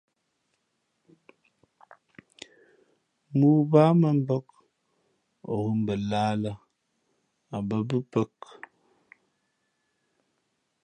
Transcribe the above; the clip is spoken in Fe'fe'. Mōō baā mᾱ mbāk, o ghʉ̂ mbα lahā lᾱ, a bᾱ mbʉ̄pāk.